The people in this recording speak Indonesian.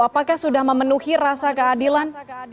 apakah sudah memenuhi rasa keadilan